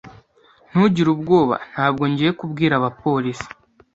Ntugire ubwoba. Ntabwo ngiye kubwira abapolisi.